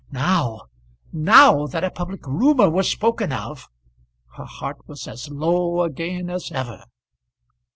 But now, now that a public rumour was spoken of, her heart was as low again as ever.